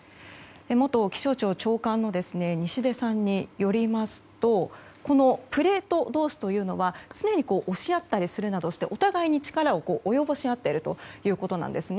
元気象庁長官の西出さんによりますとプレート同士というのは常に押し合ったりするなどしてお互いに力を及ぼし合っているということなんです。